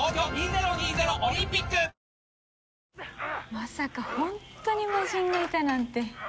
まさか本当に魔人がいたなんて。